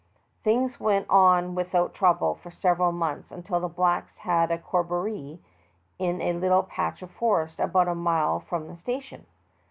Things went on without trouble for several months, until the blacks had a corroboree in a little patch of forest, about a mile from the sta tion.